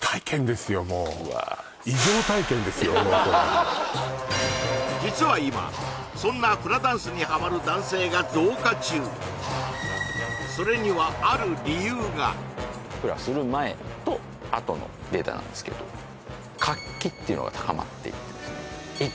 もうこれ実は今そんなフラダンスにハマる男性が増加中それにはある理由がのデータなんですけど活気っていうのが高まっていってですね